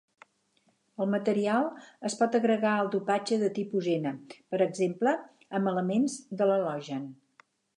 El material es pot agregar al dopatge de tipus n, per exemple, amb elements de l'halogen.